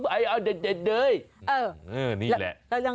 เออแล้วเรายังไง